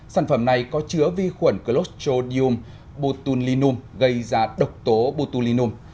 sản phẩm này có chứa vi khuẩn clostridium botulinum gây ra độc tố botulinum